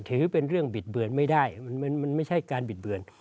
ถือเป็นเรื่องบิดเบือนไม่ได้มันไม่ใช่การบิดเบือน